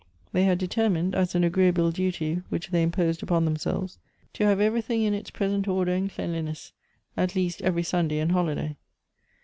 They had determined, as an agreea ble duty which they imposed upon themselves, to have everything in its present order and cleanliness, at least every Sunday and holiday.